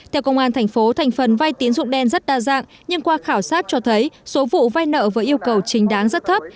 theo công an thành phố thành phần vai tín dụng đen rất đa dạng nhưng qua khảo sát cho thấy số vụ vai nợ với yêu cầu chính đáng rất thấp